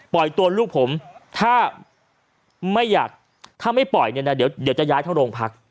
ตัวลูกผมถ้าไม่อยากถ้าไม่ปล่อยเนี่ยนะเดี๋ยวจะย้ายทั้งโรงพัก